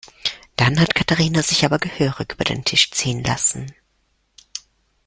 Dann hat Katharina sich aber gehörig über den Tisch ziehen lassen.